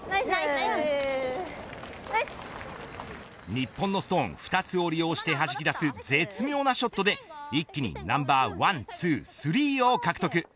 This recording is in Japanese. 日本のストーン２つを利用して弾き出す絶妙なショットで一気にナンバー１、２、３を獲得。